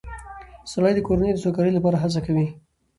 سړی د کورنۍ د سوکالۍ لپاره هڅه کوي